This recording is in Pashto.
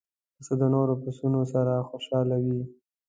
پسه د نور پسونو سره خوشاله وي.